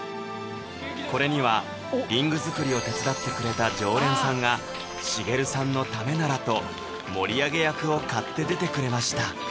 これにはリング作りを手伝ってくれた常連さんが茂さんのためならと盛り上げ役を買って出てくれました